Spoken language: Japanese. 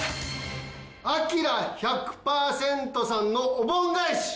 アキラ１００％さんのお盆返し！